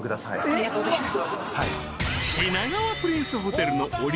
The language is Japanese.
ありがとうございます。